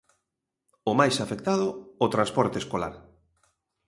O máis afectado, o transporte escolar.